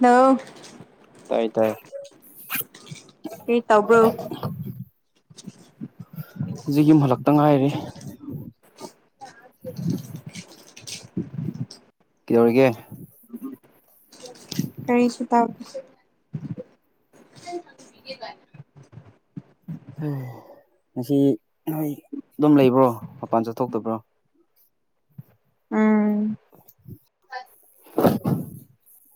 ꯅ ꯇꯥꯏ ꯇꯥꯏ ꯀꯔꯤ ꯇꯧꯕ꯭ꯔꯣ ꯍꯧꯖꯤꯛ ꯌꯨꯝ ꯍꯜꯂꯛꯇ ꯉꯥꯏꯔꯦ [inaudible] ꯀꯧꯔꯒ ꯀꯔꯤꯁꯨ ꯇꯧꯗꯦ [unintelligible] ꯉꯁꯤ ꯅꯣꯏ ꯑꯗꯨꯝ ꯂꯩꯕ꯭ꯔꯣ ꯃꯄꯥꯟ ꯆꯠꯊꯣꯛꯇꯕ꯭ꯔꯣ ꯎꯝ [inaudible]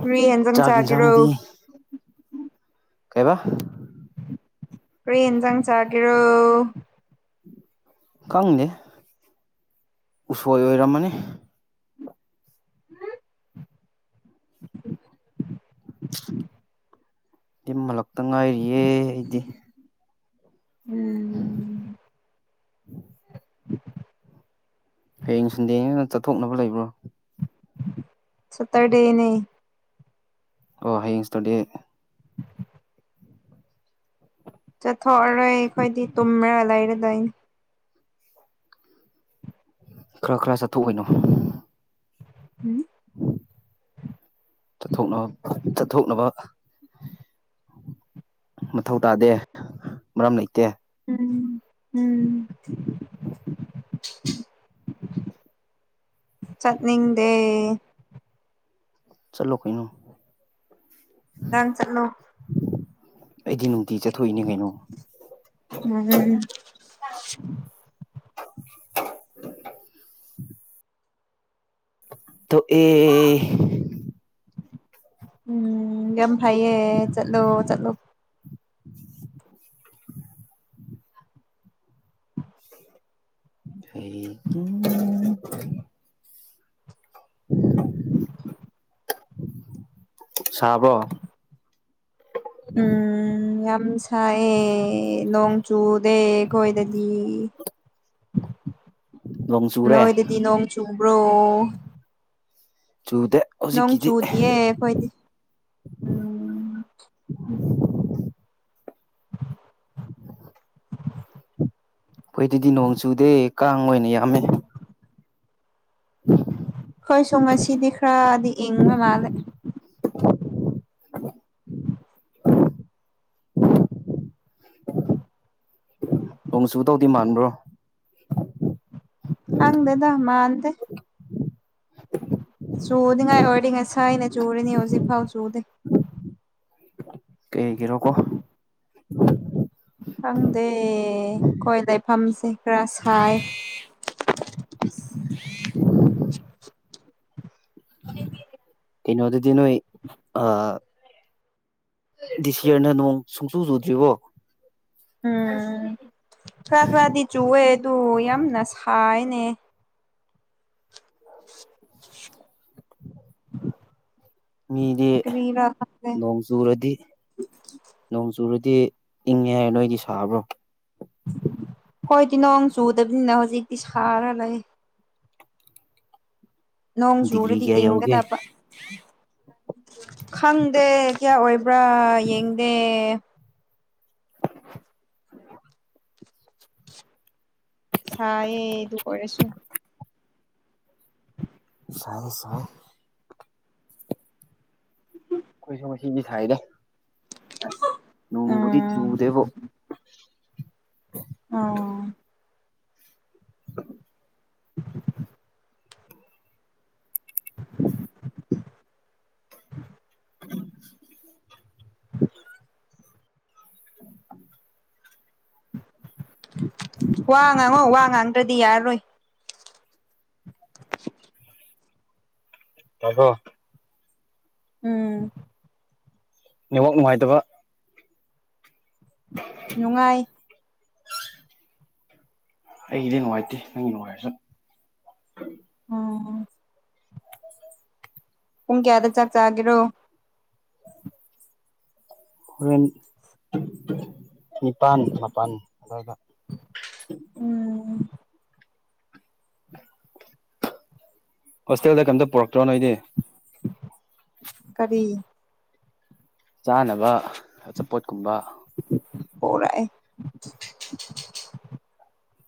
ꯐꯔꯤ ꯌꯦꯟꯖꯪ ꯆꯥꯛ ꯆꯥꯒꯔꯣ ꯀꯩꯕ ꯀꯔꯤꯟ ꯆꯪ ꯆꯒꯦꯔꯣ ꯈꯪꯗꯦ ꯎꯁꯣꯏ ꯑꯣꯏꯔꯝꯃꯅꯤ ꯎꯝ [inaudible] ꯏ ꯃꯜꯂꯛꯇ ꯉꯥꯏꯔꯤꯌꯦ ꯑꯩꯗꯤ ꯎꯝ ꯍꯌꯦꯡ ꯁꯟꯗꯦꯡꯅ ꯆꯠꯊꯣꯛꯅꯕ ꯂꯩꯕ꯭ꯔꯣ ꯁꯠꯇꯔ ꯗꯦꯅꯦ ꯑꯣ ꯍꯌꯦꯡ ꯁꯇꯗꯤ ꯆꯠꯊꯣꯛꯑꯔꯣꯏ ꯑꯩꯈꯣꯏꯗꯤ ꯇꯨꯝꯔ ꯂꯩꯔꯗꯣꯏꯅꯤ ꯈꯔ ꯈꯔ ꯆꯠꯊꯣꯛꯏꯅꯣ ꯎꯝ ꯆꯠꯊꯣꯛꯅꯕ ꯆꯠꯊꯣꯛꯅꯕ ꯃꯊꯧ ꯇꯥꯗꯦ ꯃꯔꯝ ꯂꯩꯇꯦ ꯎꯝ ꯎꯝ [inaudible] ꯆꯠꯅꯤꯡꯗꯦ ꯆꯠꯂꯣ ꯀꯩꯅꯣ ꯥꯅꯪ ꯆꯂꯣ ꯑꯩꯗꯤ ꯅꯨꯡꯇꯤ ꯆꯠꯊꯣꯛꯏꯅꯦ ꯀꯩꯅꯣ ꯎꯝ [inaudible] ꯇꯣꯛ ꯑꯦ ꯎꯝ ꯌꯥꯝ ꯐꯩꯌꯦ ꯆꯠꯂꯣ ꯆꯠꯂꯣ [inaudible] ꯍꯩ ꯀꯤꯡ [inaudible] ꯁꯥꯕ꯭ꯔꯣ ꯎꯝ ꯎꯝ ꯌꯥꯝ ꯁꯥꯌꯦ ꯅꯣꯡ ꯆꯨꯗꯦ ꯑꯩꯈꯣꯏꯗꯗꯤ ꯅꯣꯡ ꯆꯨꯔꯦ ꯅꯣꯏꯗꯗꯤ ꯅꯣꯡ ꯆꯨꯕ꯭ꯔꯣ ꯆꯨꯗꯦ ꯅꯣꯡ ꯍꯧꯖꯤꯛꯀꯤꯗꯤ ꯆꯨꯗꯤꯌꯦ ꯑꯩꯈꯣꯏꯗꯤ ꯎꯝ ꯑꯩꯈꯣꯏꯗꯗꯤ ꯅꯣꯡ ꯆꯨꯗꯦ ꯀꯥꯡ ꯑꯣꯏꯅ ꯌꯥꯝꯃꯦ ꯈꯣꯏꯁꯨꯨ ꯉꯁꯤꯗꯤ ꯈꯔꯗꯤ ꯏꯪꯕ ꯃꯥꯜꯂꯦ [inaudible] ꯅꯣꯡ ꯆꯨꯗꯧꯗꯤ ꯃꯥꯟꯕ꯭ꯔꯣ ꯍꯪꯗꯦꯗ ꯃꯥꯟꯗꯦ ꯆꯨꯅꯤꯉꯥꯏ ꯑꯣꯏꯔꯤ ꯉꯁꯥꯏꯅ ꯆꯨꯔꯤꯅꯤ ꯍꯧꯖꯤꯛꯐꯥꯎ ꯆꯨꯗꯦ ꯀꯩꯒꯤꯔꯣꯀꯣ ꯈꯪꯗꯦ ꯈꯣꯏ ꯂꯩꯐꯝꯁꯦ ꯈꯔ ꯁꯥꯏ [inaudible] [inaudible] ꯀꯩꯅꯣ ꯑꯗꯨꯗꯤ ꯅꯣꯏ ꯑꯥ ꯗꯤꯁꯏꯌꯥꯔꯅ ꯅꯣꯡ ꯁꯨꯡꯆꯨ ꯆꯨꯗ꯭ꯔꯤꯕꯣ ꯎꯝ ꯈꯔ ꯈꯔꯗꯤ ꯆꯨꯋꯦ ꯑꯗꯨ ꯌꯥꯝꯅ ꯁꯥꯏꯅꯦ [inaudible] ꯃꯤꯗꯤ ꯀꯔꯤꯔꯥ ꯈꯪꯗꯦ ꯅꯣꯡ ꯆꯨꯔꯗꯤ ꯅꯣꯡ ꯆꯨꯔꯗꯤ ꯏꯪꯉꯦ ꯍꯥꯏ ꯅꯣꯏꯗꯤ ꯁꯥꯕ꯭ꯔꯣ ꯈꯣꯏꯗꯤ ꯅꯣꯡ ꯆꯨꯗꯕꯅꯤꯅ ꯍꯧꯖꯤꯛꯇꯤ ꯁꯥꯔ ꯂꯩ ꯅꯣꯡ ꯗꯤꯒ꯭ꯔꯤ ꯖꯨꯔꯗꯤ ꯀꯌꯥ ꯌꯧꯒꯦ ꯏꯪꯒꯗꯕ ꯈꯪꯗꯦ ꯀꯌꯥ ꯑꯣꯏꯕ꯭ꯔꯥ ꯌꯦꯡꯗꯦ ꯁꯥꯏꯌꯦ ꯑꯗꯨ ꯑꯣꯏꯔꯁꯨ ꯁꯥꯏꯌꯦ ꯁꯥꯏꯌꯦ ꯈꯣꯏꯁꯨ ꯉꯁꯤꯗꯤ ꯁꯥꯏꯌꯦꯗ [inaudible] ꯅꯣꯡꯕꯨꯗꯤ ꯎꯝ ꯆꯨꯗꯦꯕꯣ ꯑꯣ [inaudible] ꯋꯥ ꯉꯥꯡꯉꯣ ꯋꯥ ꯉꯥꯡꯗ꯭ꯔꯗꯤ ꯌꯥꯔꯔꯣꯏ ꯇꯥꯕ꯭ꯔꯣ ꯎꯝ ꯅꯦꯋꯥꯛ ꯅꯨꯡꯉꯥꯏꯇꯕ ꯅꯨꯡꯉꯥꯏ ꯑꯩꯒꯤꯗꯤ ꯅꯨꯡꯉꯥꯏꯇꯦ ꯅꯪꯒꯤ ꯅꯨꯡꯉꯥꯏꯔꯁꯨ ꯎꯝ ꯄꯨꯡ ꯀꯌꯥꯗ ꯆꯥꯛ ꯆꯥꯒꯤꯔꯣ? ꯍꯣꯔꯦꯟ ꯅꯤꯄꯥꯟ ꯃꯥꯄꯟ ꯑꯗꯨꯋꯥꯏꯗ ꯎꯝ ꯎꯝ꯫ ꯍꯣꯁꯇꯦꯜꯗ ꯀꯝꯇ ꯄꯨꯔꯛꯇ꯭ꯔꯣ ꯅꯣꯏꯗꯤ? ꯀꯔꯤ? ꯆꯥꯅꯕ ꯑꯆꯥꯄꯣꯠꯀꯨꯝꯕ꯫ ꯄꯨꯔꯛꯑꯦ꯫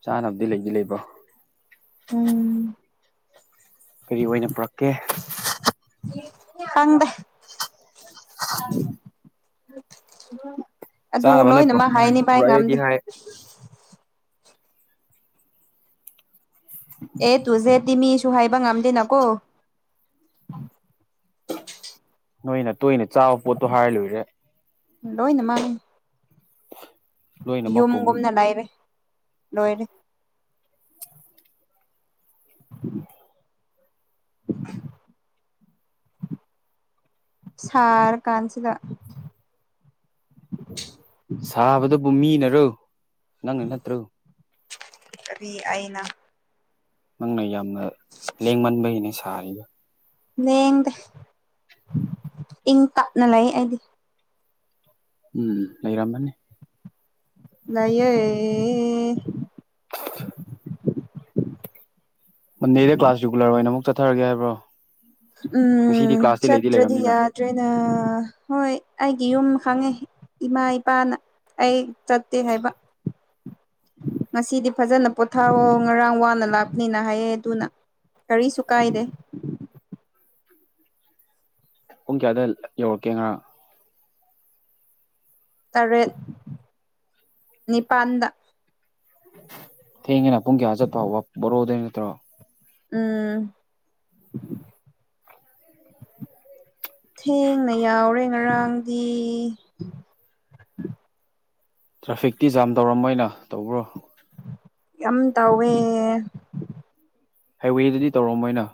ꯆꯥꯅꯕꯗꯤ ꯂꯩꯗꯤ ꯂꯩꯕ꯭ꯔꯣ? ꯎꯝ꯫ ꯀꯔꯤ ꯑꯣꯏꯅ ꯄꯨꯔꯛꯀꯦ? ꯈꯪꯗꯦ꯫ ꯑꯗꯨ ꯆꯥꯅꯕ ꯅꯣꯏ ꯂꯣꯏꯅꯃꯛ ꯄꯨꯔꯛꯄ꯭ꯔꯣ ꯍꯥꯏꯁꯦ ꯍꯥꯏꯅꯤ ꯕꯥꯏ ꯄꯨꯔꯛꯑꯦꯗꯤ ꯉꯝꯗꯦ꯫ ꯍꯥꯏ ꯑꯦ ꯇꯨ ꯖꯦꯠꯇꯤ ꯃꯤꯁꯨ ꯍꯥꯏꯕ ꯉꯝꯗꯦꯅꯀꯣ꯫ ꯅꯣꯏꯅ ꯇꯣꯏꯅ ꯆꯥꯕ ꯄꯣꯠꯇꯣ ꯍꯥꯏꯔ ꯂꯣꯏꯔꯦ꯫ ꯂꯣꯏꯅꯃꯛꯅꯦ꯫ ꯂꯣꯏꯅꯃꯛꯄꯨ ꯌꯨꯝꯒꯨꯝꯅ ꯂꯩꯔꯦ ꯂꯣꯏꯔꯦ꯫ [inaudible] [inaudible] ꯁꯥꯔ ꯀꯥꯟꯁꯤꯗ꯫ ꯁꯥꯕꯗꯨꯕꯨ ꯃꯤꯅꯔꯣ? ꯅꯪꯅ ꯅꯠꯇ꯭ꯔꯣ? ꯀꯔꯤ ꯑꯩꯅ? ꯅꯪꯅ ꯌꯥꯝꯅ ꯂꯦꯡꯃꯟꯕꯩꯅꯦ ꯁꯥꯔꯤꯗꯣ꯫ ꯂꯦꯡꯗꯦ ꯏꯪ ꯇꯞꯅ ꯂꯩꯏ ꯑꯩꯗꯤ꯫ ꯎꯝ ꯂꯩꯔꯝꯃꯅꯤ꯫ ꯂꯩꯌꯦ꯫ [unintelligible] ꯃꯟꯗꯦꯗ ꯀ꯭ꯂꯥꯁ ꯔꯤꯒꯨꯂꯔ ꯑꯣꯏꯅ ꯑꯃꯨꯛ ꯆꯠꯊꯔꯒꯦ ꯍꯥꯏꯕ꯭ꯔꯣ? ꯉꯁꯤꯗꯤ ꯎꯝ ꯀ꯭ꯂꯥꯁꯇꯤ ꯂꯩꯗꯤ ꯆꯠꯇ꯭ꯔꯗꯤ ꯂꯩꯔꯕꯅꯤꯅ ꯌꯥꯠ ꯇ꯭ꯔꯦꯅ ꯍꯣꯏ ꯑꯩꯒꯤ ꯌꯨꯝ ꯈꯪꯉꯦ ꯏꯃꯥ ꯏꯄꯥꯅ ꯑꯩ ꯆꯠꯇꯦ ꯍꯥꯏꯕ꯫ ꯉꯁꯤꯗꯤ ꯐꯖꯅ ꯄꯣꯊꯥꯑꯣ ꯉꯔꯥꯡ ꯋꯥꯅ ꯂꯥꯛꯄꯅꯤꯅ ꯍꯥꯏꯌꯦ ꯑꯗꯨꯅ ꯀꯔꯤꯁꯨ ꯀꯥꯏꯗꯦ꯫ ꯄꯨꯡ ꯀꯌꯥ ꯑꯗꯨꯋꯥꯏ ꯌꯧꯔꯛꯀꯦ ꯉꯔꯥꯡ ꯇꯔꯦꯠ ꯅꯤꯄꯥꯟꯗ꯫ ꯊꯦꯡꯉꯦꯅ ꯄꯨꯡ ꯀꯌꯥ ꯆꯠꯄꯕ ꯍꯧꯕ ꯕꯥꯔꯣꯗꯩ ꯅꯠꯇ꯭ꯔꯣ? ꯎꯝ꯫ ꯊꯦꯡꯅ ꯌꯥꯎꯔꯦ ꯉꯔꯥꯡꯗꯤ꯫ ꯇ꯭ꯔꯥꯐꯤꯛꯇꯤ ꯖꯥꯝ ꯇꯧꯔꯝꯃꯣꯏꯅ ꯇꯧꯕ꯭ꯔꯣ? ꯌꯥꯝ ꯇꯥꯎꯋꯦ꯫ ꯍꯥꯏꯋꯦꯗꯗꯤ ꯇꯧꯔꯝꯃꯣꯏꯅ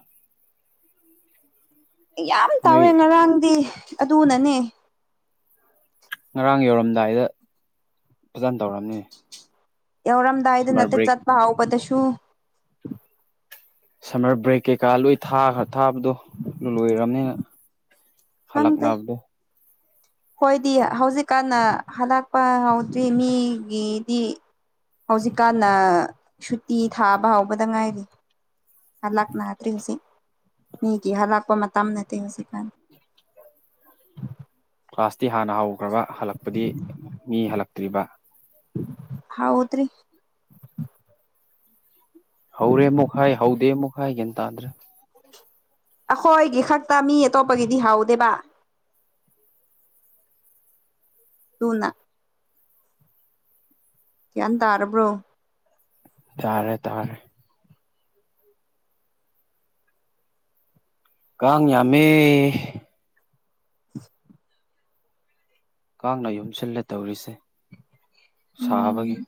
[inaudible] ꯌꯥꯝ ꯅꯣꯏ ꯇꯥꯎꯋꯦ ꯉꯔꯥꯡꯗꯤ ꯑꯗꯨꯅꯅꯦ꯫ ꯉꯔꯥꯡ ꯌꯧꯔꯝꯗꯥꯏꯗ ꯐꯖꯅ ꯇꯧꯔꯝꯅꯤ꯫ ꯌꯧꯔꯝꯗꯥꯏꯗ ꯁꯝꯃꯔ ꯅꯠꯇꯦ ꯕ꯭ꯔꯦꯛ ꯆꯠꯄ ꯍꯧꯕꯗꯁꯨ꯫ ꯁꯝꯃꯔ ꯕ꯭ꯔꯦꯛ ꯀꯩꯀꯥ ꯂꯣꯏ ꯊꯥꯈ꯭ꯔ ꯊꯥꯕꯗꯣ ꯑꯗꯨ ꯂꯣꯏꯔꯝꯅꯤꯅ ꯍꯜꯂꯛꯅꯕꯗꫭ ꯑꯈꫭꯏꯗꯤ ꯍꯧꯖꯤꯛꯀꯥꯟꯅꯥ ꯍꯂꯛꯄꯥ ꯍꯧꯗ꯭ꯔꯤ ꯃꯤꯒꯤꯗꯤ ꯍꯧꯖꯤꯛꯀꯥꯟꯅ ꯁꯨꯇꯤ ꯊꯥꯕ ꯍꯥꯎꯕꯗ ꯉꯥꯏꯔꯤ ꯍꯜꯂꯥꯛꯅꯗ꯭ꯔꯤ ꯍꯧꯖꯤꯛ ꯃꯤꯒꯤ ꯍꯂꯥꯛꯄꯥ ꯃꯇꯝ ꯅꯠꯇꯦ ꯍꯧꯖꯤꯛꯀꯥꯟ ꯀ꯭ꯂꯥꯁꯇꯤ ꯍꯥꯟꯅ ꯍꯧꯈ꯭ꯔꯕ ꯍꯜꯂꯛꯄꯗꯤ ꯃꯤ ꯍꯜꯂꯛꯇ꯭ꯔꯤꯕ ꯍꯧꯗ꯭ꯔꯤ ꯍꯧꯔꯦ ꯑꯃꯨꯛ ꯍꯥꯏ ꯍꯧꯗꯦ ꯑꯃꯨꯛ ꯍꯥꯏ ꯒ꯭ꯌꯥꯟ ꯇꯥꯗ꯭ꯔꯦ ꯑꯩꯈꯣꯏꯒꯤ ꯈꯛꯇꯥ ꯃꯤ ꯑꯇꯣꯞꯄꯒꯤꯗꯤ ꯍꯥꯎꯗꯦꯕ ꯑꯗꯨꯅꯥ ꯒ꯭ꯌꯥꯟ ꯇꯥꯔꯕ꯭ꯔꯣ ꯇꯥꯔꯦ ꯇꯥꯔꯦ ꯀꯥꯡ ꯌꯥꯝꯃꯦ [inaudible] ꯀꯥꯡꯅ ꯌꯨꯝꯁꯤꯜꯂꯦ ꯇꯧꯔꯤꯁꯦ ꯁꯥꯕꯒꯤ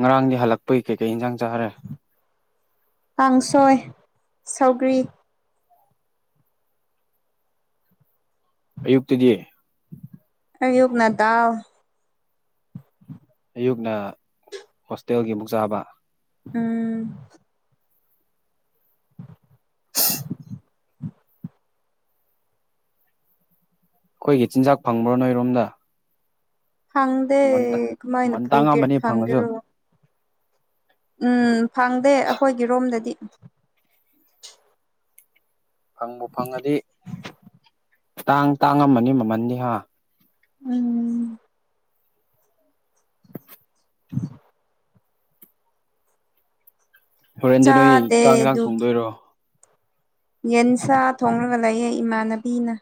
ꯉꯔꯥꯡꯗꯤ ꯍꯜꯂꯛꯄꯒꯤ ꯀꯩꯀꯩ ꯏꯟꯁꯥꯡ ꯆꯥꯔꯦ ꯀꯥꯡꯁꯣꯏ ꯁꯧꯒ꯭ꯔꯤ ꯑꯌꯨꯛꯇꯗꯤ ꯑꯌꯨꯛꯅꯥ ꯗꯥꯜ ꯑꯌꯨꯛꯅꯥ ꯍꯣꯁꯇꯦꯜꯒꯤ ꯑꯃꯨꯛ ꯆꯥꯕ ꯎꯝ ꯑꯩꯈꯣꯏꯒꯤ ꯆꯤꯟꯖꯥꯛ ꯐꯪꯕ꯭ꯔꯣ ꯅꯣꯏꯔꯣꯝꯗ ꯐꯪꯗꯦ ꯃꯃꯟ ꯀꯃꯥꯏꯅ ꯃꯃꯟ ꯐꯨꯒꯦ ꯇꯥꯡꯉꯝꯃꯅꯤ ꯐꯪꯉꯁꯨ ꯐꯪꯒꯦꯔꯣ ꯎꯝ ꯐꯪꯗꯦ ꯑꯩꯈꯣꯏꯒꯤ ꯔꯣꯝꯗꯗꯤ ꯐꯪꯕꯨ ꯐꯪꯉꯗꯤ ꯇꯥꯡ ꯇꯥꯡꯉꯝꯃꯅꯤ ꯃꯥꯃꯜꯗꯤ ꯍꯥ ꯎꯝ ꯎ [unintelligible] ꯍꯣꯔꯦꯟꯗꯤ ꯅꯣꯏ ꯆꯥꯗꯦ ꯆꯥꯛ ꯌꯦꯟꯁꯥꯡ ꯑꯗꯨ ꯊꯣꯡꯗꯣꯏꯔꯣ ꯌꯦꯟꯁꯥ ꯊꯣꯡꯂꯒ ꯂꯩꯌꯦ ꯏꯃꯥꯟꯅꯕꯤꯅ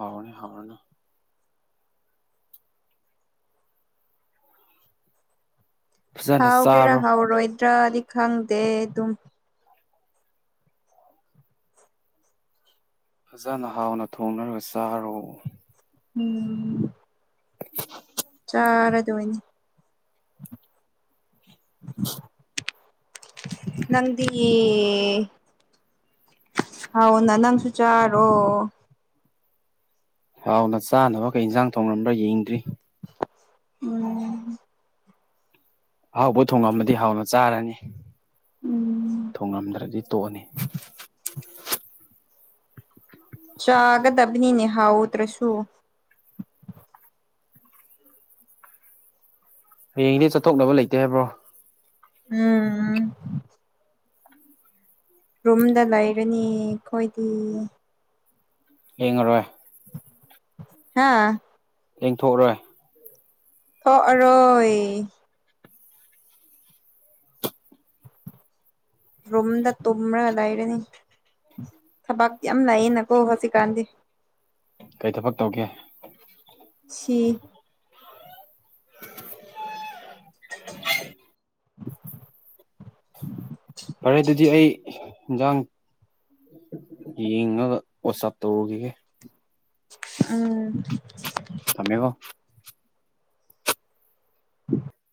ꯍꯥꯎꯔꯅꯤ ꯍꯥꯎꯔꯅꯤ ꯐꯖꯅ ꯍꯥꯎꯒꯦꯔꯥ ꯆꯥꯔꯣ ꯍꯥꯎꯔꯣꯏꯗ꯭ꯔꯥꯗꯤ ꯈꯪꯗꯦ ꯑꯗꯨꯝ ꯐꯖꯅꯥ ꯍꯥꯎꯅ ꯊꯣꯡꯔꯒ ꯆꯥꯔꯣ ꯎꯝ ꯏ [unintelligible] ꯆꯔꯥꯗꯣꯏꯅꯤ ꯅꯪꯗꯤ ꯍꯥꯎꯅ ꯅꯪꯁꯨꯨ ꯆꯥꯔꯣ ꯍꯥꯎꯅ ꯆꯥꯅꯕ ꯀꯩ ꯏꯟꯖꯥꯡ ꯊꯣꯡꯉꯝꯕ꯭ꯔꯥ ꯌꯦꯡꯗ꯭ꯔꯤ ꯎꯝ ꯑꯍꯥꯎꯕ ꯊꯣꯡꯉꯝꯝꯕꯗꯤ ꯍꯥꯎꯅ ꯆꯥꯔꯅꯤ ꯎꯝ ꯊꯣꯡꯉꯝꯗ꯭ꯔꯗꯤ ꯇꯣꯛꯑꯅꯤ ꯆꯥꯒꯗꯕꯅꯤꯅꯦ ꯍꯥꯎꯗ꯭ꯔꯥꯁꯨ ꯍꯌꯦꯡꯗꯤ ꯆꯠꯊꯣꯛꯅꯕ ꯂꯩꯇꯦ ꯍꯥꯏꯕ꯭ꯔꯣ ꯎꯝ ꯔꯨꯝꯗ ꯂꯩꯔꯅꯤ ꯑꯩꯈꯣꯏꯗꯤ ꯌꯦꯡꯉꯔꯣꯏ ꯍꯥꯥ ꯌꯦꯡꯊꯣꯛꯑꯔꯣꯏ ꯊꯣꯛ ꯑꯔꯣꯏ ꯔꯨꯝꯗ ꯇꯨꯝꯔꯒ ꯂꯩꯔꯅꯤ ꯊꯕꯛ ꯌꯥꯝ ꯂꯩꯌꯦꯅꯀꯣ ꯍꯧꯖꯤꯛꯀꯥꯟꯗꯤ ꯀꯩ ꯊꯕꯛ ꯇꯧꯒꯦ ꯁꯤ [unintelligible] [inaudible] ꯐꯔꯦ ꯑꯗꯨꯗꯤ ꯑꯩ ꯍꯤꯟꯖꯥꯡ ꯌꯦꯡꯉꯒ ꯋꯥꯆꯞ ꯇꯧꯔꯨꯈꯤꯒꯦ ꯎꯝ ꯊꯃꯃꯦꯒꯣ